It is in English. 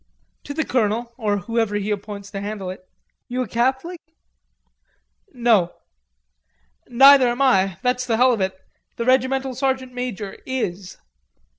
"To the colonel, or whoever he appoints to handle it. You a Catholic?" "No." "Neither am I. That's the hell of it. The regimental sergeant major is."